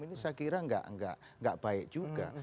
ini saya kira nggak baik juga